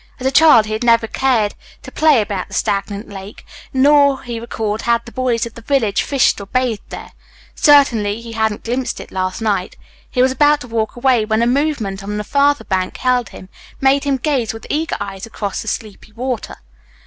As a child he had never cared to play about the stagnant lake, nor, he recalled, had the boys of the village fished or bathed there. Certainly he hadn't glimpsed it last night. He was about to walk away when a movement on the farther bank held him, made him gaze with eager eyes across the sleepy water.